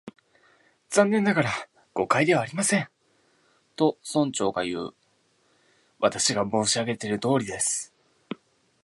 「残念ながら、誤解ではありません」と、村長がいう。「私が申し上げているとおりです」